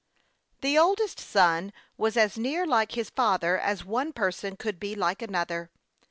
The oldest son was as near like his father as one person could be like another.